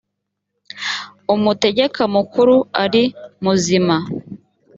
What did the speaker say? umutegeka mukuru ari muzima